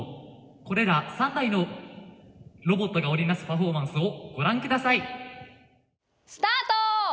これら３台のロボットが織り成すパフォーマンスをご覧ください。スタート！